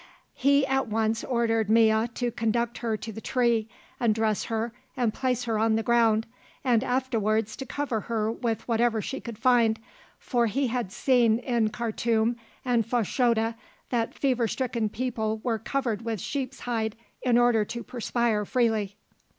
He at once ordered Mea to conduct her to the tree, undress her and place her on the ground, and afterwards to cover her with whatever she could find, for he had seen in Khartûm and Fashoda that fever stricken people were covered with sheeps' hide in order to perspire freely.